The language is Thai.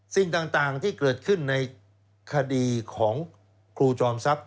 สิ่งต่างที่เกิดขึ้นในคดีของครูจอมทรัพย